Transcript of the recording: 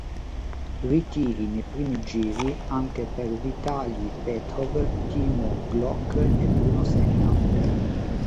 Ritiri, nei primi giri, anche per Vitalij Petrov, Timo Glock e Bruno Senna.